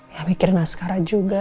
ya mikirin askara juga